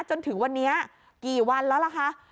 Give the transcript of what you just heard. จนถึงวันนี้กี่วันแล้วล่ะคะ